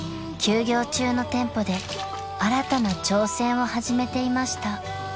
休業中の店舗で新たな挑戦を始めていました］